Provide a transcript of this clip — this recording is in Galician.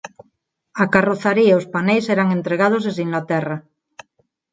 A carrozaría e os paneis eran entregados desde Inglaterra.